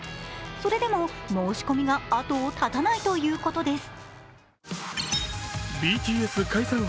それでも申し込みが後を絶たないということです。